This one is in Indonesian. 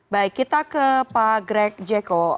baik kita ke pak greg jeko